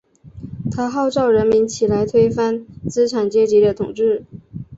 他号召人民起来推翻资产阶级的统治。